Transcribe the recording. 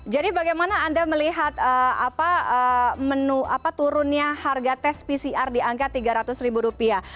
jadi bagaimana anda melihat apa menu apa turunnya harga tes pcr di angka tiga ratus rupiah